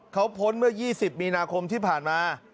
เขาพ้นเมื่อ๒๐มีนาคมที่ผ่านมา